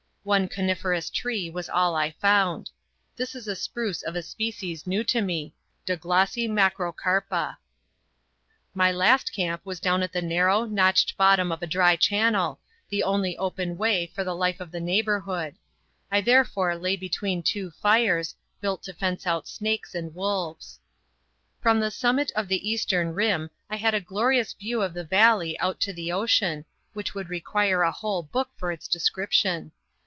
One coniferous tree was all I found. This is a spruce of a species new to me, Douglasii macrocarpa. My last camp was down at the narrow, notched bottom of a dry channel, the only open way for the life in the neighborhood. I therefore lay between two fires, built to fence out snakes and wolves. From the summit of the eastern rim I had a glorious view of the valley out to the ocean, which would require a whole book for its description.